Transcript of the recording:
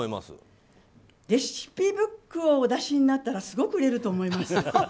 レシピブックをお出しになったらすごく売れると思います。